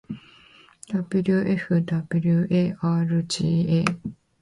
wfwarga